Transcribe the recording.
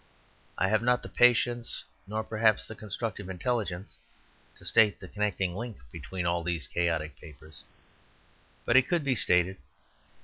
I have not the patience nor perhaps the constructive intelligence to state the connecting link between all these chaotic papers. But it could be stated.